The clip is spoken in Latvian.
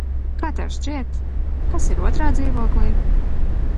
Kā tev šķiet, kas ir otrā dzīvoklī?